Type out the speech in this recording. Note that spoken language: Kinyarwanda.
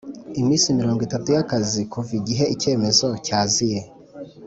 iminsi mirongo itatu y akazi kuva igihe icyemezo cyaziye